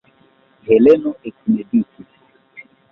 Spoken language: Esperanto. Heleno ekmeditis.